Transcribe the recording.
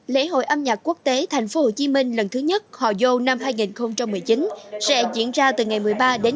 lễ hội âm nhạc quốc tế tp hcm lần thứ nhất hò dô năm hai nghìn một mươi chín sẽ diễn ra từ ngày một mươi ba đến